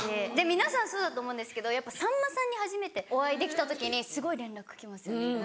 皆さんそうだと思うんですけどやっぱさんまさんに初めてお会いできた時にすごい連絡きますよね。